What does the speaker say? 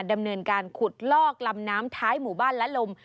ดำเนินการขุดลอกลำน้ำท้ายหมู่บ้านและลม